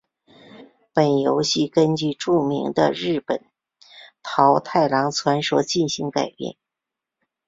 本游戏根据著名的日本桃太郎传说进行改编。